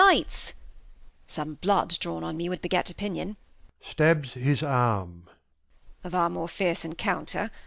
Lights ! Some Blood drawn on me wou'd beget Opinion [Stabs his Arm. Of our more fierce Encounter.